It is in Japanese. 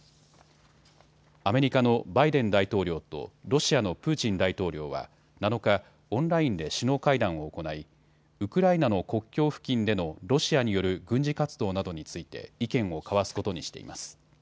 アメリカのバイデン大統領とロシアのプーチン大統領は７日、オンラインで首脳会談を行いウクライナの国境付近でのロシアによる軍事活動などについて意見を交わすことにしています。